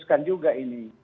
luruskan juga ini